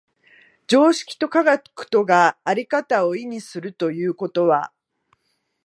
常識と科学とが在り方を異にするということは、